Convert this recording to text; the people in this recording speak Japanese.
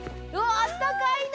◆あったかいな。